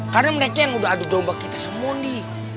karena mereka yang udah adu domba kita sama mondi